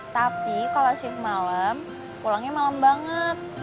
tapi kalau shift malam pulangnya malam banget